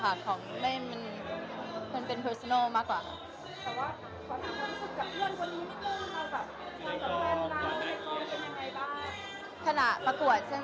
เจอเอ็มตอนที่ประกวดก็เป็นเพื่อนที่น่ารักคนนึงค่ะ